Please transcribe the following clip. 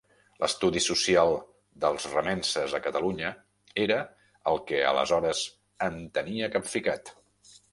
L'Estudi social dels remenses a Catalunya era el que aleshores em tenia capficat